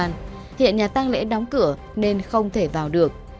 nhà tàng lễ đóng cửa nên không thể vào được